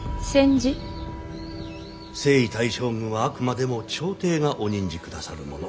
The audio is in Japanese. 征夷大将軍はあくまでも朝廷がお任じくださるもの。